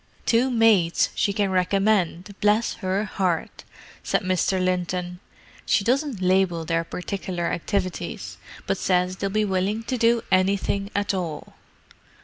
"Two maids she can recommend, bless her heart!" said Mr. Linton. "She doesn't label their particular activities, but says they'll be willing to do anything at all."